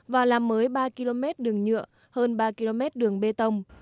và làm mới ba km đường nhựa hơn ba km đường bê tông